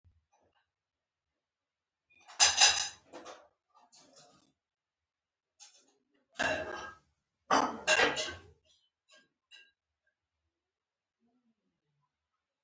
ادرانالین خطر کې زیاتېږي.